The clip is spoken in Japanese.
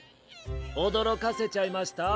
おどろかせちゃいました？